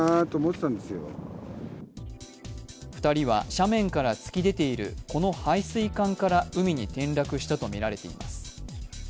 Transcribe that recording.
２人は斜面から突き出ているこの配水管から海に転落したとみられています。